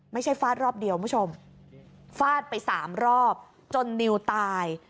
ไม่ใช่ฟาดรอบเดียวฟาดไป๓รอบจนนิวตาย